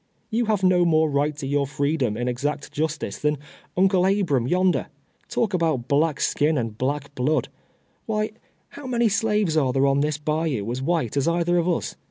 You have no more right to your freedom, in exact justice, than Uncle Abram yonder. Talk about black skin, and black blood ; why, how many slaves are there on this bayou as white as either of us?